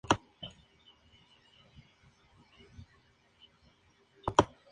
Aunque ella no está convencida de la utilidad de estos movimientos, decide firmar.